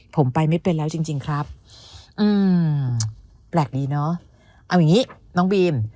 ผมไปไม่เป็นแล้วจริงจริงครับอืมแปลกดีเนอะเอาอย่างงี้น้องบีม